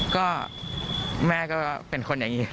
ก็แม่ก็เป็นคนนี้ดีแล้ว